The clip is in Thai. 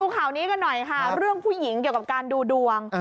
ข่าวนี้กันหน่อยค่ะเรื่องผู้หญิงเกี่ยวกับการดูดวง